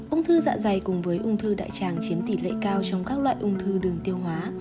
ung thư dạ dày cùng với ung thư đại tràng chiếm tỷ lệ cao trong các loại ung thư đường tiêu hóa